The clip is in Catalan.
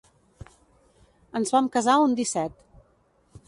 Ens vam casar un disset.